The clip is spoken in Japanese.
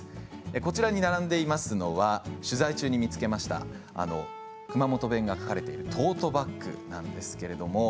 こちらに並んでいますのは取材中に見つけました熊本弁が書かれたトートバッグです。